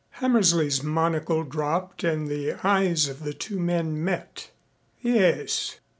Hammersley's monocle dropped and the eyes of the two men met. "Yes.